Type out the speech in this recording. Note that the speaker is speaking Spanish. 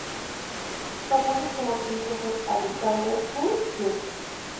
Famosos como Christopher Alessandro Q. Ch.